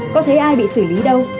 có thấy ai bị xử lý đâu